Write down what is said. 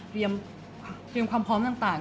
เตรียมความพร้อมต่าง